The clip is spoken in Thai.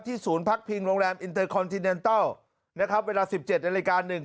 ที่ศูนย์พักพิงโรงแรมนะครับเวลาสิบเจ็ดในรายการหนึ่ง